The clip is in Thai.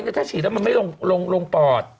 ถ้าฉีดแล้วมันไม่ลงปอด